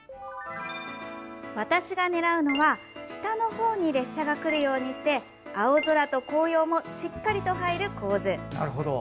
私が狙うのは下の方に列車が来るようにして青空と紅葉もしっかりと入る構図。